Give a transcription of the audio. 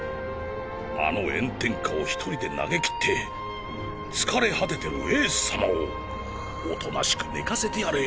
あの炎天下を１人で投げ切って疲れ果ててるエース様を大人しく寝かせてやれ。